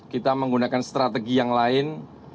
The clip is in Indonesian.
kita menggunakan strategi yang lain